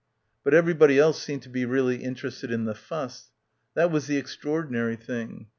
But everybody else seemed to be really in terested in the fuss. That was the extraordinary thing.